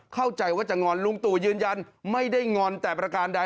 เข้าใจว่าจะงอนลุงตู่ยืนยันไม่ได้งอนแต่ประการใด